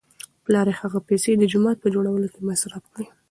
پلار یې هغه پیسې د جومات په جوړولو کې مصرف کړې.